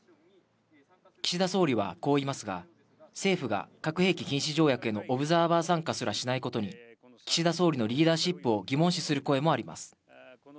岸田総理はこう言いますが、政府が核兵器禁止条約へのオブザーバー参加すらしないことに、岸田総理のリーダーシップを疑問視する声もあります。